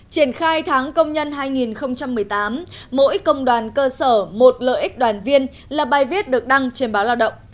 triển khai tháng công nhân hai nghìn một mươi tám mỗi công đoàn cơ sở một lợi ích đoàn viên là bài viết được đăng trên báo lao động